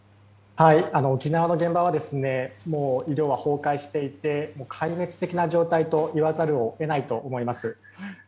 沖縄の現場はもう医療は崩壊していて壊滅的な状態と言わざるを得ないと思います。